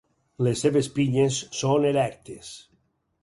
Les seves pinyes són erectes.